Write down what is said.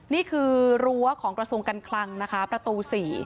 นี่คือรั้วของกระทรวงการคลังนะคะประตู๔